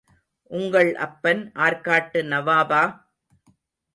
உங்கள் அப்பன் ஆர்க்காட்டு நவாபா?